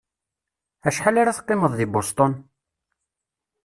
Acḥal ara teqqimeḍ deg Boston?